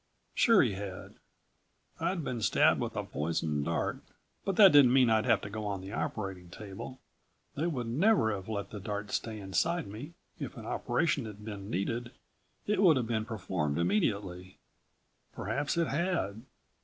Sure he had. I'd been stabbed with a poisoned dart, but that didn't mean I'd have to go on the operating table. They would never have let the dart stay inside me. If an operation had been needed, it would have been performed immediately.... Perhaps it had.